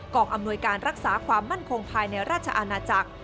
องอำนวยการรักษาความมั่นคงภายในราชอาณาจักร